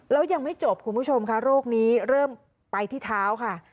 แล้วยังไม่จบคุณผู้ชมค่ะโรคนี้เริ่มไปที่เท้าค่ะ